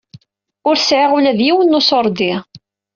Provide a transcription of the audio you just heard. Ur sɛiɣ ula d yiwen n uṣurdi.